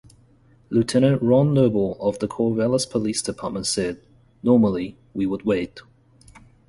Lieutenant Ron Noble of the Corvallis Police Department said, Normally, we would wait.